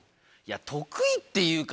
得意っていうか